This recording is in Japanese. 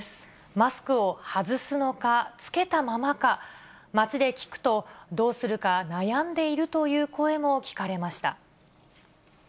マスクを外すのか、着けたままか、街で聞くと、どうするか悩んでいるという声も聞かれました。